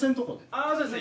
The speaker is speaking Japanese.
あそうですね。